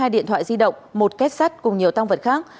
ba mươi hai điện thoại di động một két sắt cùng nhiều tăng vật khác